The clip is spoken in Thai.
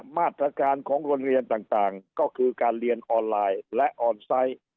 มาตรการของโรงเรียนต่างก็คือการเรียนออนไลน์และออนไซต์